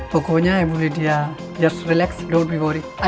pokoknya ibu lydia just relax don't be worried